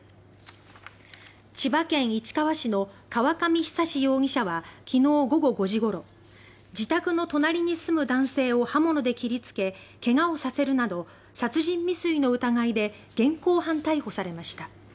千葉県市川市の河上久容疑者は昨日午後５時ごろ自宅の隣に住む男性を刃物で切りつけ怪我をさせるなど殺人未遂の疑いで現行犯逮捕されました。